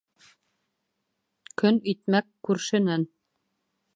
Көн итмәк күршенән.